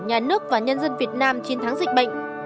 nhà nước và nhân dân việt nam chiến thắng dịch bệnh